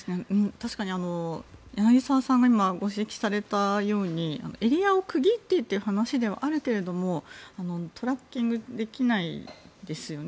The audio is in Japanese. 確かに柳澤さんが今、ご指摘されたようにエリアを区切ってという話ではあるけどトラッキングできないですよね。